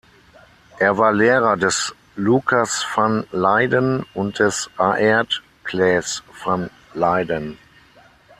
Er war Lehrer des Lucas van Leyden und des Aert Claesz van Leyden.